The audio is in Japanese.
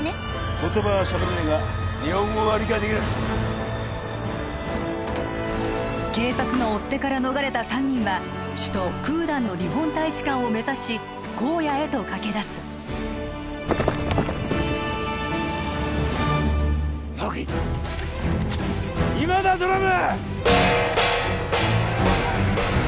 言葉はしゃべれねえが日本語が理解できる警察の追っ手から逃れた三人は首都クーダンの日本大使館を目指し荒野へと駆け出す今だドラム！